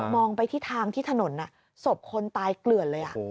องไปที่ทางที่ถนนศพคนตายเกลือนเลย